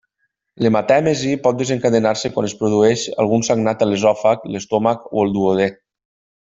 L'hematèmesi pot desencadenar-se quan es produeix algun sagnat a l'esòfag, l'estómac o el duodè.